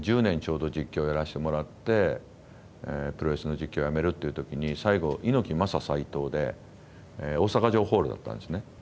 １０年ちょうど実況やらしてもらってプロレスの実況やめるっていう時に最後猪木・マサ斎藤で大阪城ホールだったんですね。